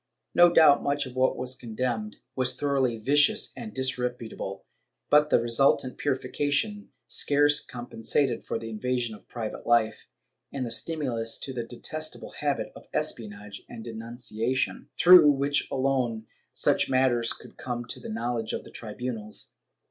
No doubt much of what was condemned was thoroughly vicious and disreputable, but the resultant purification scarce com pensated for the invasion of private life and the stimulus to the detestable habit of espionage and denunciation, through which alone such matters could come to the knowledge of the tribunals.